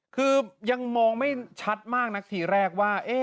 คือยังมองไม่ชัดมากนักทีแรกว่า